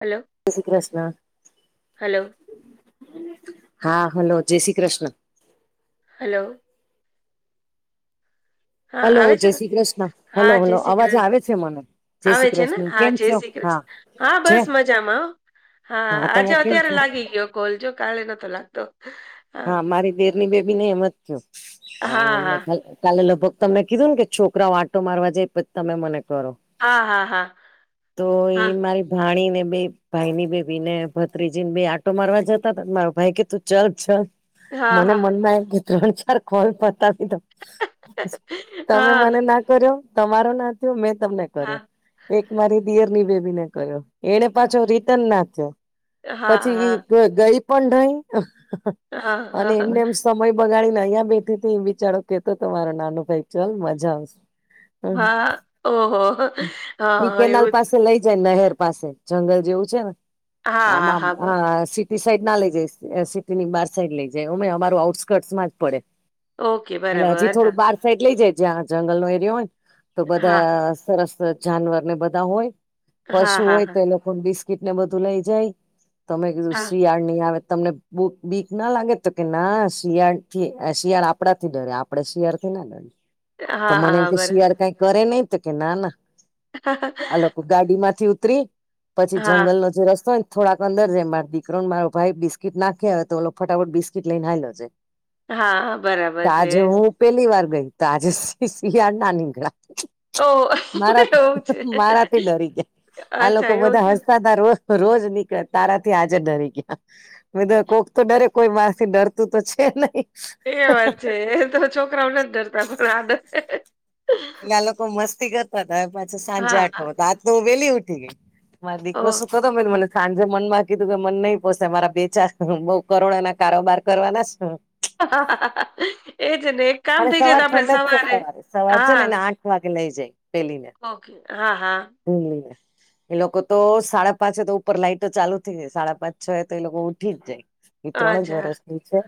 Hello, જય Shri Krishna hello, હા hello જય શ્રી કૃષ્ણ હલો. હા, હલો આવે છે જય ને? શ્રી કૃષ્ણ હલો હા, જય હલો શ્રી અવાજે કૃષ્ણ. આવે છે મને જય આવે શ્રી છે ને કૃષ્ણ હા કેમ જય છો શ્રી હા કૃષ્ણ હા છે બસ મજામાં આવ હા આજે તમે કેમ અત્યારે છો લાગી ગયો કોલજો કાલે નતો લાગતો. હા મારી દેરની બેબીને એમ જ હા, થું હા. કાલે લગભગ તમને કીધું ને કે છોકરાઓ વાંટો મારવા જાયછ તમે મને કરો. હા, હા, હા. તો એ હા, મારી. જાણીને બે ભાઈ ની બે ભીને ભત્રીજી ને બે આટો મારવા જતા હતા મારો ભાઈ કે તું ચાલ ચ હા, મને હા. મનમાં એ કે ત્રણ ચાર કોલ પતાવી દો તમે હા, મને ના કર્યો તમારો ના થયો મેં તમને હા. કર્યો એક મારી દિયરની બેબીને ક્યો. એને પાછો રિટર્ન નાખ્યો હા, પછી હા. ગઈ પણ નઈ. હા, અને એમને હા. એમ. સમય બગાડીને અહીં બેઠી બિચારો કેતો તમારો નાનો ભાઈચઅલ મજા આવશે. હ હા. ઓહો! હા, ઈ હા કેનાલ એવું જ. પાસે લઈ જાય નહેર પાસે જંગલ જેવું છે ને હા, હા, આમાં હા, બર હ સિટી સાઈડ ના લઇ જઈ સિટી ની બાર લ જ અમે અમારું આઉટકર્ટ માં જ પડે ઓકે એટલે હજી થોડું બરાબર. બાર સાડ લઇ જાય જ્યાં જંગલ નો એરયો હોય તો હા, બધા સરસ જાનવરને બધા હોય. હા, પશુ હા, હોય હા, તો એ લોકોને બિસ્કીટ ને બધું લઈ જાય તમે કીધું હા. શિયાળ નહી આવે તમને ખુબ બી. ના લાગે તો કે ના શિયાળ થી શિયાળ આપડા થી ડરે આપડે શિયાળ થી ના ડરે તો હા, મને એમ હા, કે બરા શિયાળ કઈ કરે નહી. કે ના ના આ લોકો ગાડી માંથી ઉતરી પછી હા. જંગલનોો જે રસ્તો હોય. થોડાક અંદર છે મા દીકરોને મારો ભાઈ બિસ્કીટ નાખી હોય તો ઓ ફટાફટ બિસ્કીટ લઈને હાલ્યો જાય. હા, બરાબર તો છે. આજે હું પેલી વાર ગઈ ત આજે શિયાળ ના નીકળ ઓહ! મારા એવું છે. મારા થી ડરી જાય આ લોકો અચ્છા એવું બધા થયું. હસતાદાર હો. રોજ નીકળ્યા તારા થી આજે ડરી ગયા મે તો કોક તો ડરે કોઈ માથી ડરતું તો છે નહી. એ વાત છે એ તો છોકરાઓ નથી, જ ડરતા પણ આડ એટલે આ લોકો મસ્તી કરતા હતા પાછ સાંજે હા, હા. આઠવા આજ તો હું વેલી ઉઠી ગઈ મા દીકરો ઓહ! શું કર મે મને સાંજે મન માં કીધું કે મન નહી પોસે મારા બે ચાર બ કરોડો ના કારોબાર કરવાનાશ [unintelligible] એ જને અને સવાર ઠંડક જ છે સવારે સવાર છે હા, ને આઠ વાગે લઈ જાય પેલીને ઓકે. હા, હા. [unintelligible] એ લોકો તો સાડા પાંચ તો ઉપર લાઈટ ચાલુ થઈ જાય સાડા પાંચ છ તો એ લોકો ઉઠી જ જાય. એ ત્રણ જ અચ્છા. વરષની છે,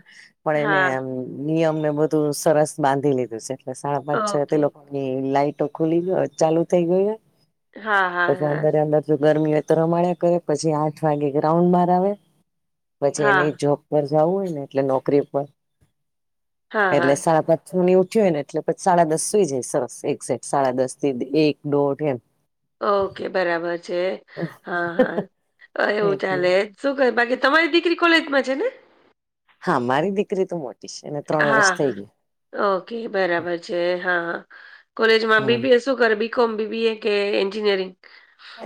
પણ એને હા, આમ નિયમ ને બધુ સરસ બાંધી લીધું છે. સાડા પાંચ છ તે ઓકે. લોકોની લાઈટો ખુલી ગ ચાલુ થઇ ગયું હોય. હા, હા, પછી હા. અંદરે અંદર ગરમી હોય તો રમાડીયા કરે પછી આઠ વાગે ગ્રાઉન્ડ બાર આવે, પછી એને હા, જો ઉપર જવું હોય ને એટલે નોકરી ઉપર હા, એટલે હા. સાત, ની ઉઠ્યું હોય ને એટલે પછી સાડા દસ સુઈ જાય, સરસ એઝેક સાડા દસ થી એક દોઢ એમ ઓકે બરાબર છે હા હા એવું એટલી ચાલે જ શું કહે બાકી તમારી દીકરી કોલેજમાં છે ને, હા, મારી દીકરી તો મોટી છે એને ત્રણ વર્ષ હા થઈ હા ગઈ. ઓકે બરાબર છે, હા હા કોલેજમાં હમ બીબીએસ શું કર બીકોમ બીબીએ કે એન્જિનિયરિંગ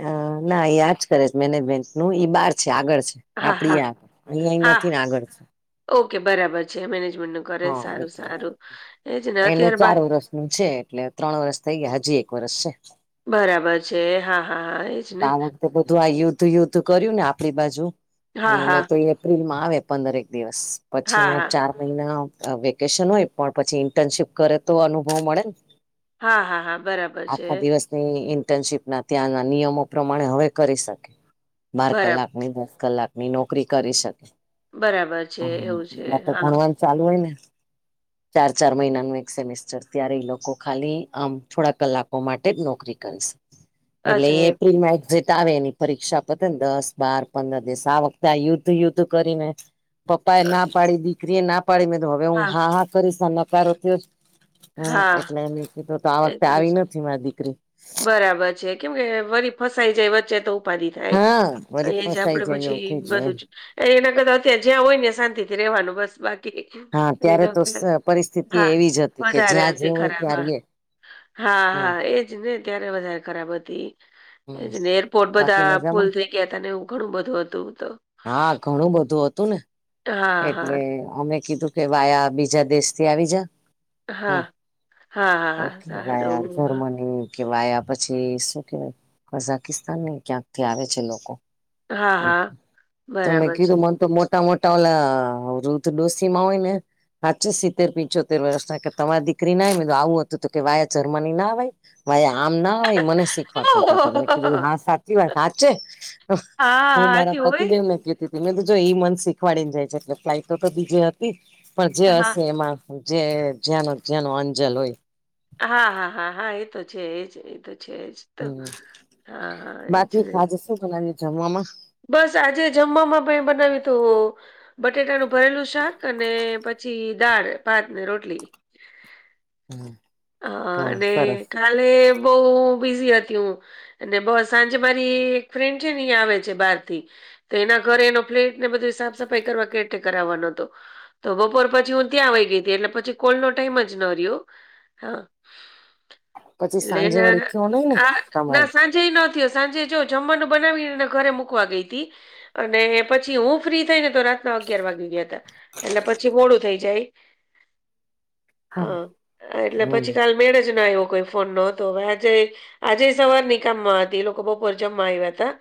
હ ના એ આજ કરે છે મેનેજમેન્ટ નું ઈ બાર છે, આગળ છે. હા આપડી હા આ અહિયાં હા નથી ને આગળ છે ઓકે બરાબર છે, મેનેજમેન્ટનો રે સારું સારું એનું અત્યાર ચાર બાદ વર્ષ નું છે, એટલે ત્રણ વરષ થઈ ગયા હજી એક વરષ છે. બરાબર છે, હા હા હા એજ ને તે બધું આ યુદ્ધ યુદ્ધ કર્યું ને આપણી બાજુ હા, અને હા. નતો એપ્રિલ માં આવે. પંદર એક દિવસ હા, પછીના હા. ચાર મહિના વેકેશન હોય, પણ પછી ઇન્ટર્નશીપ કરે તો અનુભવ મળે ને હા હા હા બરાબર છે, ની ઇન્ટર્નશીપ ના ત્યાંના નિયમો પ્રમાણે હવે કરી શકે, બાર બરા કલાક દસ કલાકની નોકરી કરી શકે બરાબર છે એવું છે. હા. [unintelligible] ચાલુ હોય ને [inaudible] ચાર ચાર મહિનાનું એક સેમેિસ્ટર ત્યારે લોકો ખાલી આમ થોડા કલાકો માટે જ નોકરી કરશે. એટલે અચ્છા એ એમ. એપ્રીલ મા એક્ઝિટ આવે એની પરીક્ષા પતે ને દસ બાર પંદર દિવસ આ વખતે આ યુદ્ધ યુદ્ધ કરી ને પપ્પા એ ના પાડી દીકરી એ ના પાડી મેં તો હવે હું હા હા કરીશ નકારો થયો. હમ્મ હા. એટલે એ કીધ તો આ એ વખતે જ. આવી નથી મારી દીકરી, બરાબર છે કેમ કે વરી ફસાઈ જાય વચ્ચે તો. ઉપાધી થાય હા વરી એ જ ફસાઈ આપડે જાય એવું પછી થઈ જાય એમ બધું જ એના કરતા અત્યારે જ્યાં હોય ને શાંત થી ર રહેવાનું બસ બાકી. હા દીકરી ત્યારે તો નગર પરિસ્થિતિ હા એવી જ હતી કે જ્યાં જે વધારે હોય ખરાબ ત્યાં હ. રે હા હમ હા એજ ને ત્યારે વધારે ખરાબ હતી. હમ એજને એરપોર્ટ બાકી બધા ફૂલ મજામાં થઈ ગયા હતા ને એવું ઘણું બધું હતું તો. હા ઘણું બધું હતું ને. હા હા. એટલે અમે કીધું કે વાયા બીજા દેશ થી આવી જા. હા હ, હા હા હા ઓ સારું જર્મની [unintelligible] કેવાયા પછી શું કેવાય, કઝાકિસ્તાન ને ક્યાંક થી આવે છે લોકો. હા હા તમે બરાબર છે કીધું મન તો મોટ ટ મોટા વા રૂધ ડોસી માં હોય ને. હાચી સિત્તેર પિચોતેર વર્ષ ના તમારી દીકરી ના આવું હતું તો કે વાયા જર્મની ના આવેય. ભાઈ આમ ના હોય મનિકખ તમે કીધું હા હા સાચી વાત સાચે, હું હા મારા હતી હોય પતિ દેવને ક મે તો જો એ મન શીખવાડીને જાય છે એટલે ફ્લાઇટ તો બીજે હતી, પણ જે હા હશે એમાં. જે જ્યાંનો જ્યાંનો અંજલ હોય. હા હા હા હા એ તો છે એજ એ તો છે જ. તો હમ હા હા એ છે. બાકી આજે શું છેમાં જમવામાં? બસ આજે જમવામાં ભ બનાવી તો. બટેટાનું ભરેલું શાક અને પછી દાળ ભાત ને રોટલી. હા અને કાલે બહ બિઝી હતી હું, અને બ સાંજે મારી એક ફ્રેન્ડ છે ને અહીંયા આવે. બાર થી તો એના ઘરે એનો ફ્લેટ ને બધ સાફ સફાઈ કરવા કે કરાવવાનો હતો. તો બપોર પછી હું ત્યાં આવી ગઈ હતી એટલે પછી કોલ નો ટાઈમ જ ન રહ્યો. હા, પછી સાંજે એટલેને વળી થયો નઈ ને આ ના તમારે સાંજ સાંજ નયો સાંજે જો જમવાનું બનાવીને ઘરે મુૂકવા ગઈ હતી. અને પછી હું ફ્રી થઈ ને તો રાતના અગિયાર વાગી ગયા હતા. એટલે પછી મોડું થઈ જાય, હા હ એટલે હમ પછી કાલ મેળ જ ન આવવો કોઈ ફોન નતો હજ. આજે સવાર ની કામમાં હતી લોકો બહુ પરજમમાં આવ્યા હતા.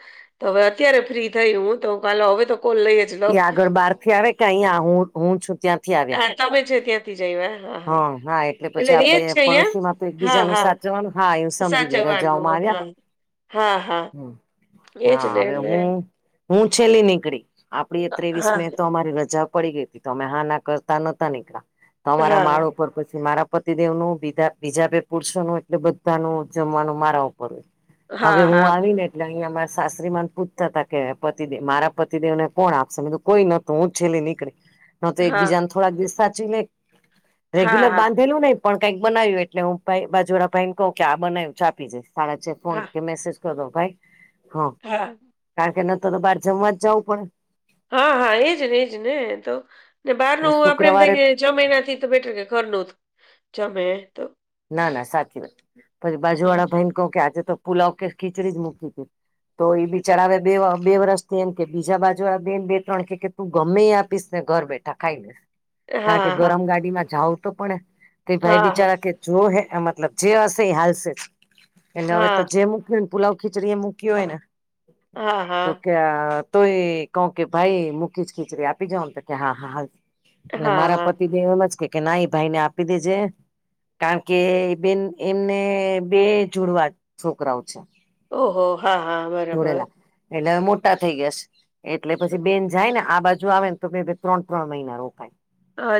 તો હવે અત્યારે ફ્રી થઈ હ તો કાલે હવે તો કોલ લઈ જ લઉં આગળ બહાર થી આવે કે અહીયાંયા હું હું છું ત્યાંથી આવ્યા. હા તમે છે ત્યાંથી જઈ હ. હા એટલે હા હા પછી એટ ર આપડે છે અહીયા, પડોશીમાં તો હા એકબીજાનું હા. સાચવવાનું હા એ સમજી ગઈ રજાઓમાં જવાનું હા આવ્યા હા હા. એજ હા ને હવે એટલે હું હું છેલ્લી નીકળી, આપડી ત્રેવીસ હા મે તો તમારી રજા પડી ગઈ હતી તમે હા ના કરતા નતા નીકળ્યા, તમારા માળ હા. ઉપર પછી મારા પતિ દેવ નું બીા બીજા બેે પુરુો નું એટલે બધા ન જમવાનું મારા હવે હા હું હા આવી ને. એટલે અહીં અમારા સાત્રી માંન પુત હતા કે પતિેવ મારા પતિદેવ ને કોણ આપશે કોઈ ના તુંછેલે નીકળે. ન તો એક હા બીજાને થોડાક દિવસ સાચી લે, હા રેગ્યુલર હા બાંધેલું નને. પણ કંઈક બનાવ્યું એટલે હું બાજુરા ભાઈને કહું કે આ બનાવ્યું ચા આપી જાય સાડા ફોન હા કે મેસેજ તો ભાઈ, હા. હા. કારણ કે નતો તો બહાર જમવા જાવું જ પડેન. હા, હા એજ ને, એજ ને તો. ને બહાર પડે નું એટલે આપડે એમ થાય શુક્રવારે કે જમી એનાથી બેટર જ કે ઘરનું જ જમે એ તો. ના, ના સાચી વાત. પછી બાજુ હા વાળા ભાઈને કહું કે આજે તો પુલાવ કે ખીચડી જ મૂકી તી. તો ઈ બિચારા હવે બે-બે વર્ષથી એમ કેય બીજા બાજુ આવે બેન બે-ત્રણ [unintelligible] તું ગમેઈ આપીશ ને ઘર બેઠા ખાઈ લે. કારણ કે હા ગરમ ગાડીમાં જાવ તો પણ તે ભાઈ હા બિચારા કહે જો હે મતલબ જે હશે એ હાલશે. એને હવે તો હા જે મૂક્યુંન પુલાવ, ખીચડી એ મૂક્યું હોય ને હા, તો હા. કે તોય કહું કે ભાઈ મૂક્યું છ ખીચડી આપી જાવન, તો કહે હા, હા હાલ એટલે હા મારા હા પતિ [unintelligible] એમ જ કહે કે ના ઈ ભાઈ ને આપી દેજે. કારણ કે ઈ બેન એમને બે જુડવા છોકરાઓ છે. ઓહો! હા, હા બરાબર. જોડેલા એટલે હવે મોટા થઈ ગયા છ. એટલે પછી બેન જાય ને આ બાજુ આવેન તો બે-બે ત્રણ-ત્રણ મહિના રોકાય.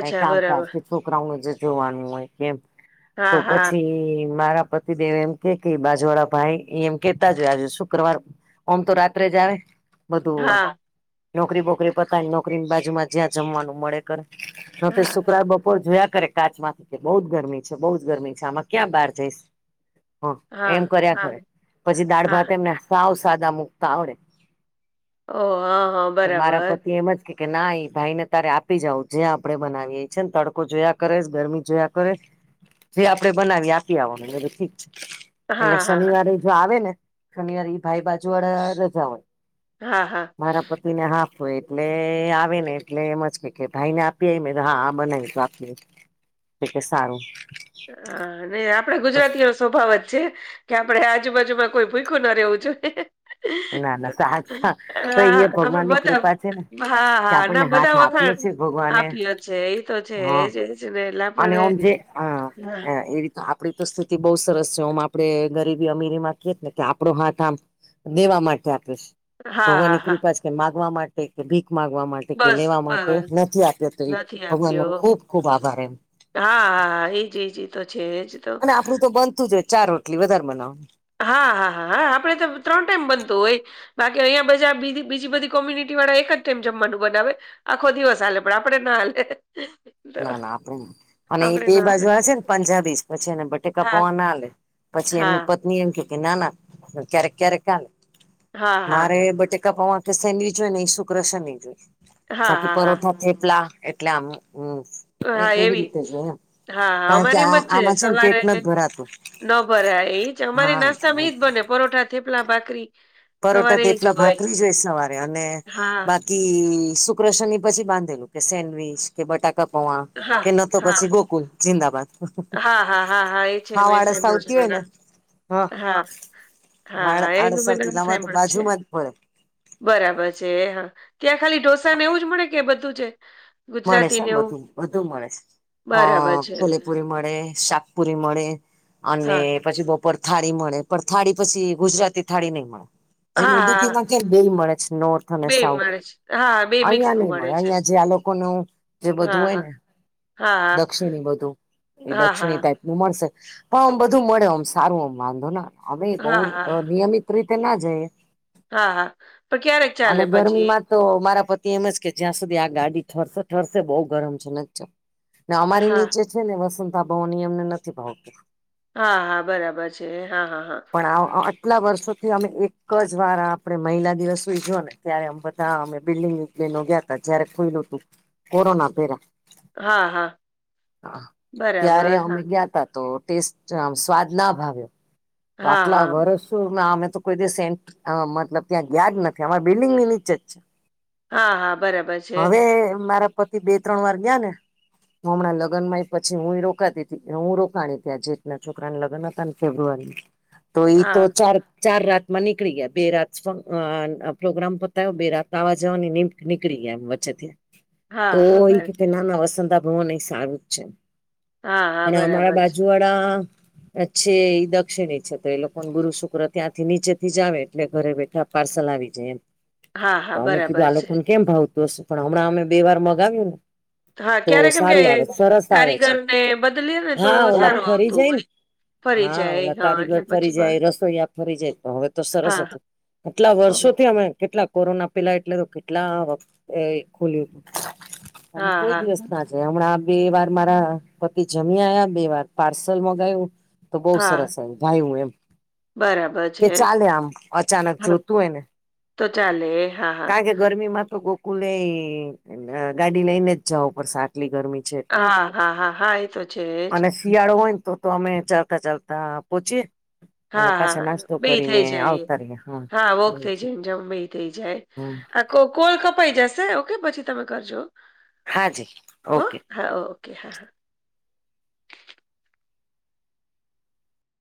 કાંઈ કામકાજ બરાબર કે છોકરાઓને જે જોવાનું હોય એમ તો હા હા પછી મારા પતિદેવ એમ કયે કે ઈ બાજુવાળા ભાઈ ઈ એમ કહેતા જ હોય આજે શુક્રવાર ઓમ તો રાત્રે જ આવે. બધું હા નોકરી બોકરી પતાયને, નોકરીની બાજુમાં જ્યાં જમવાનું મળે એ કરે. [unintelligible] હા શુક્રા બપોર જોયા કરે કાચમાંથી કે બહું જ ગરમી છે, બહુ જ ગરમી છે, આમાં ક્યાં બહાર જઈશ? હા એમ કર્યા કરે. પછી હા દાળ-ભાત એમને સાવ સાદા મુકતા આવડે. ઓહ! હા, હા બરાબર. કહે કે ના ઈ ભાઈ ને તારે આપી જાવું, જે આપડે બનાવીએ. ઈ છે ને તડકો જોયા કરે સ, ગરમી જોયા કરે સ જે આપડે બનાવીએ ઈ આપી આવવાનું. મે કીધું ઠીક છે. એટલે હા હા શનિવારેઈ જો આવે ને શનિવાર ઈ ભાઈ બાજુ વાળા રજા હોય. હા, હા. ઈ ને હાફ હોય, એટલે આવે ને એટલે એમજ ક્યે કે ભાઈ ને આપી આવી, મેં કીધું હા બનાવીશ તો આપી આવીશ. એ કહે સારું. હા. ને આપડે ગુજરાતીઓસ સ્વભાવ છે કે આપડે આજુ-બાજુમાં કોઈ ભૂયખું ન રહેવું જોઈએ. ના ના સા તો હા. એ આપણે ભગવાન ની બધા, કૃપા છે ને હા, કે હા, આપણને ના બધા હાથ આપ્યો વખાણ છે ભગવાને આપ્યો છે. ઈ તો છે જ. એજ-એજ ને. એટલે આપણે હા, હા એ રીત આપડી તો સ્થિતિ બહુ સરસ છે. ઓમ આપડે ગરીબી અમીરી માં ક્યેત ને કે આપડો હાથ આમ દેવા માટે આપે છે. હા ભગવાનની હા કૃપા છે કે માંગવા માટે કે ભીખ માગવા માટ ટે કે બસ લેવા માટે બસ નથી આપ્યો તો ઈ નથી ભગવાન નો આપ્યો ખુબ-ખુબ આભાર એમ. હા, હા એજ-એજ. ઈ તો છે એજ. તો અને આપડું તો બનતું જ હોય, ચાર રોટલી વધારે બનાવ. હા, હા, હા, હા, આપડે તો ત્રણ ટાઈમ બનતું હોય. બાકી અહીંયા બજા બીજી-બીજી બધી કોમ્યુનિટી વાળા એક જ ટાઈમ જમવાનું બનાવે. આખો દિવસ હાલે પણ આપણે ન હાલે. તો ના, ના. [unintelligible] અને ઈ આપડે બે ના બાજુ હાલે આ છે ન પંજાબી છ, પછી એને [unintelligible] હા [unintelligible] પછી હા એમની પત્ની એમ ક્યે કે ના, ના ક્યારેક-ક્યારેક હાલે. હા હા મારે બટેકા પૌવા કે સેન્ડવીચ હોય ને ઈ શુક્ર-શનિ જ હોય. હા બાકી હા હા પરોઠા, થેપલા એટલે આમ હમમ એવી રીતે જોય એમ હા હા કારણ કે અમારે એમ આ જ આમાં છે ને પેટ સવારે નથ ભરાતું. ન ભરાય એ જ અમારી હા નાસ્તામાં ઈ જ બને પરોઠા, થેપલા, ભાખરી. પરોઠા, સવારે એજ થેપલા, ભાખરી જ હોય સવારે અને બાકી હા બાકી શુક, શનિ પછી બાંધેલું કે સેન્ડવીચ કે બટા બટાકા પૌવા હા કે નતો હા પછી ગોકુલ જિંદાબાદ. હા હા હા હા એ છે આળસ વેસાયડુ છે આવતી હોય બધા ને હા. હા હા એંગ આળસ ભી આવતી એટલે અમારે નમ તો બાજુમાં જ પડે બરાબર છે ત્યાં ખાલી ઢોસા ને એવું જ મળે? કે બધું છે? મળે ગુજરાતી સે ને એવું બધું બધું મળે છે અ બરાબર છે છોલેપુરી મળે, શાક પુરી મળે અને હા પછી બપોર થાળી મળે પણ થાળી પછી ગુજરાતી થાળી નય મળે. જેમ હા હા ઉડુપીમાં કેમ બેય મળે છે નોર્થ અને બે સાઉથ મળે છે હા બે મિક્સ અહિયાં નું નય મળે છે અહિયા જે આ લોકો નો જે વધું હા હોય હા ને હા દક્ષિણી બધું એ હા દક્ષિણી હા ટાઇપ નું મળશે પણ આમ બધું મળે ઓમ સારું આમ વાંધો ન આવે આવે બો હા હા રિયલી રીતે ના જાયે. હા હા પણ ક્યારેક ચાલે પછી ગરમીમાં તો મારા પતિ એમ જ કે જ્યાં સુધી આ ગાડી ઠરશે ઠરશે બઉ ગરમ છે ન ને અમારી હા નીચે છે ને વસતા ભાઉ ની અમને નથી ભાવતું. હા હા બરાબર છે હા હા હા. પણ અ અ આટલા વર્ષોથી અમે એક જ વાર આપડે મહિલા દિવસ ઉજવ્યોને ત્યારે આમ બધા અમે બિલ્ડીંગ વિંગ ડી ના ગયા તા જયારે ખોયલુ તું કોરોના પેલા. હા હા ત્યારે બરાબર અમે હા ગયા તા તો ટેસ્ટ આમ સ્વાદ ના ભાવયો તો હા આટલા હા વર્ષ તો અમે તો કોઈ દી સેન્ટ મતલબ ત્યાં ગયા જ નથી અમારા બિલ્ડિંગ ની નીચે જ છે. હા હા બરાબર છે. હવે મારા પતિ બે ત્રણ વાર ગીયા ને હું હમણાં લગ્નમાં એ પછી હું રોકાતી હતી હું રોકાણી ત્યાં જેઠ ના છોકરાના લગ્ન હતા ફેબ્રુઆરી તો ઈ તો હા ચાર ચાર રાતમાં નીકળી ગયા બે રાત અ પ્રોગ્રામ પતાયો બે રાત આવવા જવાની ની નીકળી ગ્યા એમ વચ્ચે થી હા તો હા એ બર કેય નાના વસંતા ભુવન એ સારું જ છે. હા હા અને અમારા બરાબર છે બાજુવાળા છે એ દક્ષિણી છે તો એ લોકો ને ગુરુ, શુક્ર ત્યાંથી નીચે થી જ આવે એટલે એ લોકો ને ઘરે બેઠા પાર્સલ આવી જાય એમ. હા તો હા અમે કીધું બરાબર આ છે લોકોને કેમ ભાવતું હશે પણ હમણાં અમે બે વાર મગાવ્યું ને હા તો ક્યારે કેમ કે સારું આવે સરસ આવે છે કારીગરને બદલયે ને તો હા ઓલા સારું ફરી આવતું જાય ને એમ. ફરી હા જાય એ ઓલા કારીગર ફરી જાય, રસોઈયા ફરી જાય તો હવે તો સરસ હા હતું કેટલા વર્ષોથી અમે કેટલા કોરોના પેલા એટલે તો કેટલા વખત એ ખોલ્યું તું અને હા કોઈ હા દિવસ ના હમણાં બે વાર મારા પતિ જમી આવ્યા, બે વાર પાર્સલ મંગાવ્યું તો બો હા સરસ આયવુ ભાવ્યુ એમ. બરાબર કે છે ચાલે આમ અચાનક હા જોતું હોયને તો ચાલે હા હા કારણ કે ગરમી માં તો ગોકુલે ગાડી લઈને જ જવું પડશે આટલી ગરમી છે એટલે હા હા હા હા એ તો છે અને જ શિયાળો હોયન તો-તો અમે ચાલતા-ચાલતા પહોંચીએ. હા, હા બેય થઈ જાય. આવતા રહીએ હા, વોક એવું. થઈ જાય, ને જમવેય થઈ જાય. હમ આ કો કોલ કપાઈ જશે, ઓકે પછી તમે કરજો. હા જી હ ઓકે. હા, ઓકે હા.